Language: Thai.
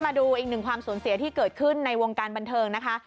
มาดูอีกหนึ่งความสูญเสียที่เกิดขึ้นในวงการบันเทิงนะคะ